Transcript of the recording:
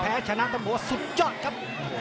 แพ้ชนะตำบัวสุดยอดครับ